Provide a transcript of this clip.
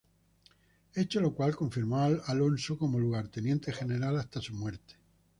Hecho lo cual, confirmó a Alonso como lugarteniente general hasta su muerte.